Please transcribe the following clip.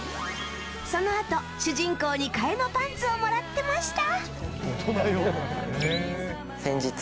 そのあと主人公に替えのパンツをもらってました。